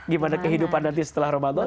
gimana kehidupan nanti setelah ramadan